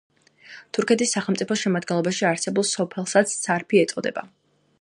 თურქეთის სახელმწიფოს შემადგენლობაში არსებულ სოფელსაც სარფი ეწოდება.